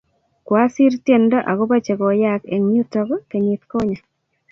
kwasir tiendo akobo che koyaak eng yutok kenyit konye